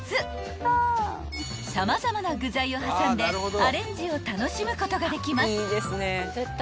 ［様々な具材を挟んでアレンジを楽しむことができます］